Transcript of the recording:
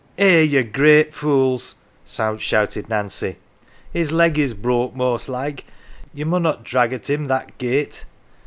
" Eh, ye great fools !" shouted Nancy. " His leg is broke most like ye munnot drag at him that gate.